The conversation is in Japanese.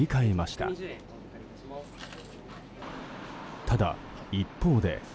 ただ、一方で。